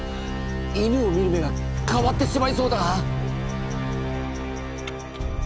犬を見る目が変わってしまいそうだ。